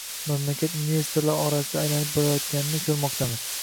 mamlakat investorlar o‘rtasida aylanib borayotganini ko‘rmoqdamiz.